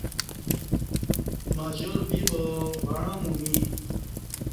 مجار بِبا وعں مو می